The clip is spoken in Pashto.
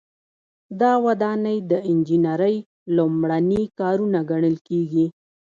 دا ودانۍ د انجنیری لومړني کارونه ګڼل کیږي.